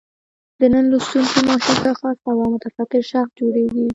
د نن لوستونکی ماشوم څخه سبا متفکر شخص جوړېږي.